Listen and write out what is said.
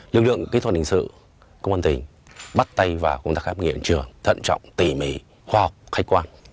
lực lượng kỹ thuật hình sự công an tỉnh bắt tay vào công tác khám nghiệm hiện trường thận trọng tỉ mỉ khoa học khách quan